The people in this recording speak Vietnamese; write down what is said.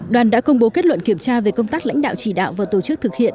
đoàn đã công bố kết luận kiểm tra về công tác lãnh đạo chỉ đạo và tổ chức thực hiện